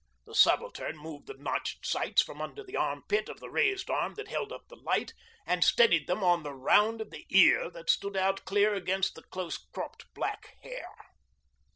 The Subaltern moved the notched sights from under the armpit of the raised arm that held up the light, and steadied them on the round of the ear that stood out clear against the close cropped black hair.